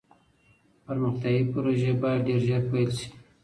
پرمختیایي پروژې باید ډېر ژر پیل سي.